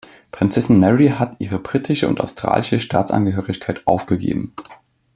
Prinzessin Mary hat ihre britische und australische Staatsangehörigkeit aufgegeben.